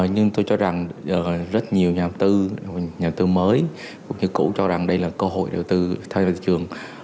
nhưng tôi cho rằng rất nhiều nhà tư nhà đầu tư mới cũng như cũ cho rằng đây là cơ hội đầu tư thay đổi thị trường